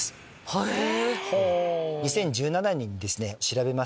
へぇ！